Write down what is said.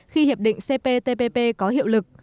khi hiệp định cptpp có hiệu lực